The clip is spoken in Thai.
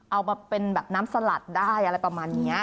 เอามาเป็นแบบน้ำสลัดได้อะไรประมาณนี้